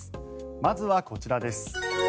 まずはこちらです。